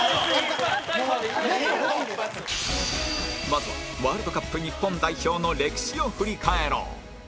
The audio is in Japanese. まずはワールドカップ日本代表の歴史を振り返ろう